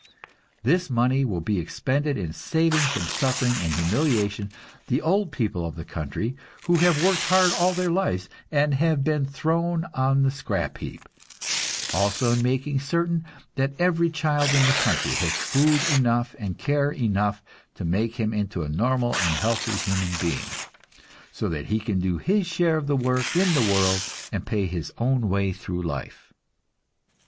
This money will be expended in saving from suffering and humiliation the old people of the country, who have worked hard all their lives and have been thrown on the scrap heap; also in making certain that every child in the country has food enough and care enough to make him into a normal and healthy human being, so that he can do his share of work in the world and pay his own way through life."